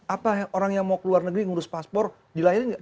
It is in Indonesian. apa orang yang mau ke luar negeri ngurus paspor dilayarin nggak